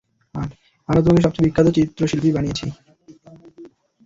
আমরা তোমাকে সবচেয়ে বিখ্যাত চিত্রশিল্পী বানিয়েছি।